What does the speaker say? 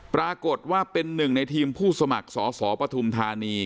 ปรากฏว่าเป็นหนึ่งในทีมผู้สมัครสอสอปฐุมธานี